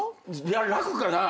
楽かな？